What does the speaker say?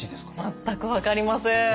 全く分かりません。